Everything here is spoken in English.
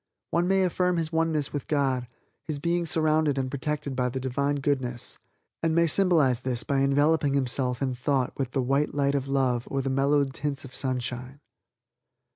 One may affirm his Oneness with God, his being surrounded and protected by the divine Goodness, and may symbolize this by enveloping himself in thought with the white light of love or the mellowed tints of sunshine.